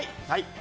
はい。